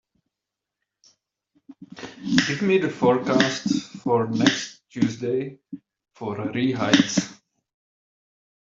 give me the forecast for next Tues. for Ree Heights